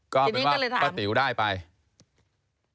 ก็เป็นว่าป้าติ๋วได้ไปทีนี้ก็เลยถาม